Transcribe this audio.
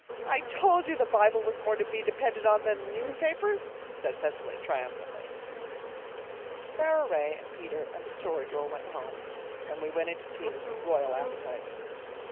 "I told you the Bible was more to be depended on than the newspapers," said Cecily triumphantly. Sara Ray and Peter and the Story Girl went home, and we went in to tea with royal appetites.